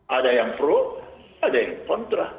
ada yang pro ada yang kontra